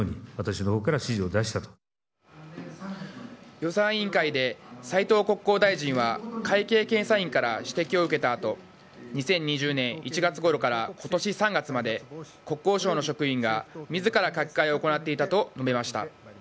予算委員会で斉藤国交大臣は会計検査院から指摘を受けた後２０２０年１月ごろから今年３月まで国交省の職員が自ら書き換えを行っていたと述べました。